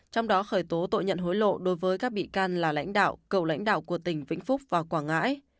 trong đó khởi tố tội nhận hối lộ đối với các bị can là lãnh đạo cựu lãnh đạo của tỉnh vĩnh phúc và quảng ngãi